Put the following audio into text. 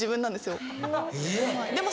でも。